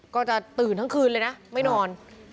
ก็จะตื่นทั้งคืนเลยนะไม่นอน